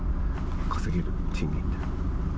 稼げる賃金って？